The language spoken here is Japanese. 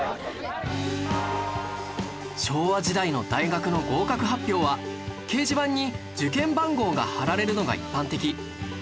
昭和時代の大学の合格発表は掲示板に受験番号が貼られるのが一般的